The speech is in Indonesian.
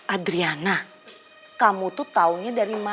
adriana kamu tuh tahunya dari mana